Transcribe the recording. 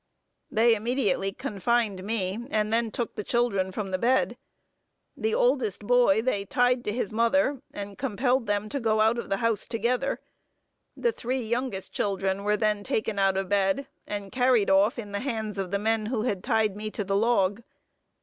They immediately confined me, and then took the children from the bed. The oldest boy they tied to his mother, and compelled them to go out of the house together. The three youngest children were then taken out of bed, and carried off in the hands of the men who had tied me to the log.